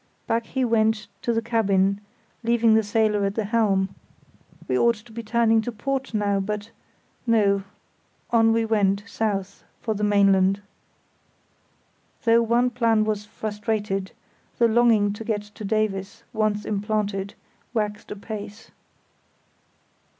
Back he went to the cabin, leaving the sailor at the helm.... We ought to be turning to port now; but no—on we went, south, for the mainland. Though one plan was frustrated, the longing to get to Davies, once implanted, waxed apace.